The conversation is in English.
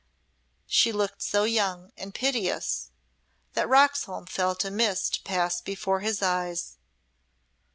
'" She looked so young and piteous that Roxholm felt a mist pass before his eyes.